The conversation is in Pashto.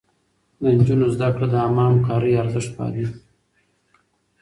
د نجونو زده کړه د عامه همکارۍ ارزښت پالي.